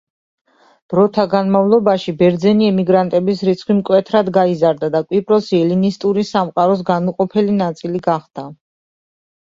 დროთა განმავლობაში ბერძენი ემიგრანტების რიცხვი მკვეთრად გაიზარდა და კვიპროსი ელინისტური სამყაროს განუყოფელი ნაწილი გახდა.